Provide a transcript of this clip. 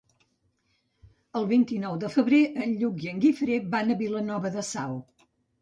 El vint-i-nou de febrer en Lluc i en Guifré van a Vilanova de Sau.